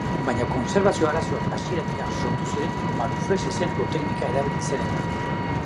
Baina kontserbazio arazoak hasieratik sortu ziren maruflex izeneko teknika erabili zen eta.